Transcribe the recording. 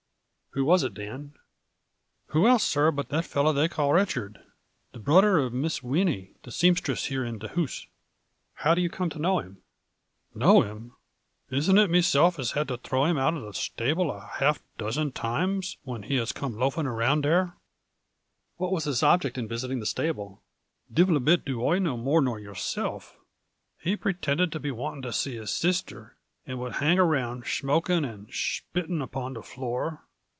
" Who was it, Dan ?"" Who else, sir, but the fellow they call Rich ard, the brother of Miss Winnie, the seam stress here in the house." " How do you come to know him ?"" Know him ? Isn't it meself has had to throw him out of the shtable a half dozen times whin he has come loafing around there ?" 56 A FLURRY IN DIAMONDS. " What was his object in visiting the stable ?'" Divil a bit do I know more nor yourself He pretinded to be wanting to see his sister, and would hang around, shmoking and shpitting upon the floor.